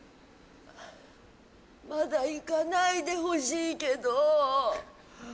まだ行かないでほしいけど。